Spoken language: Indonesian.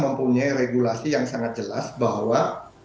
mempunyai regulasi yang sangat jelas bahwa